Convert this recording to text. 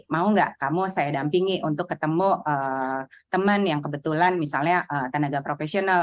mau gak kamu saya dampingi untuk ketemu teman yang kebetulan misalnya tenaga profesional